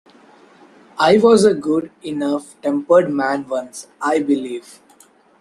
I was a good-enough-tempered man once, I believe.